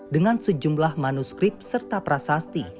dengan sejumlah manuskrip serta prasasti